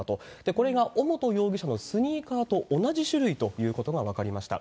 これが尾本容疑者のスニーカーと同じ種類ということが分かりました。